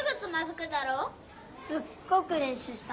すっごくれんしゅうした。